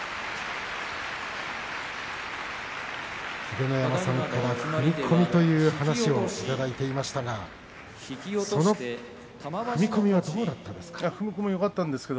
秀ノ山さんと踏み込みという話をしていましたがその踏み込みはどうだったですか。